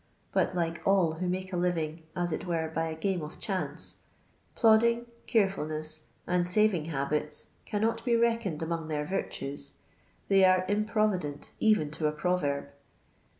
But like all who make a living as it were by a game of chance, plodding, carefulness, and saving habits cannot be reckoned among their virtues ; they are improvident, even to a proverb.